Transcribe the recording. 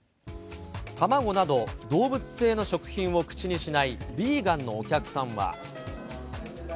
卵など動物性の食品を口にしないヴィーガンのお客さんは。